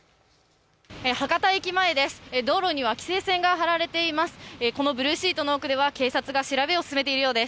博多駅前です。